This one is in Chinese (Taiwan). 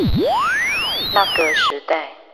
那個時代